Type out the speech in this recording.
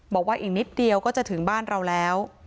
บอกว่าอีกนิดเดียวก็จะถึงบ้านเราแล้ว